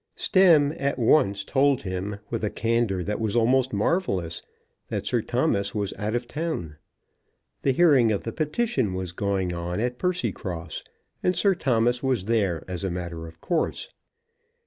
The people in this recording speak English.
Stemm at once told him, with a candour that was almost marvellous, that Sir Thomas was out of town. The hearing of the petition was going on at Percycross, and Sir Thomas was there, as a matter of course.